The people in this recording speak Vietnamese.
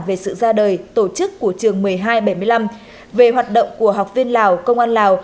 về sự ra đời tổ chức của trường một mươi hai bảy mươi năm về hoạt động của học viên lào công an lào